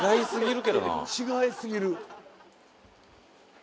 「違いすぎる」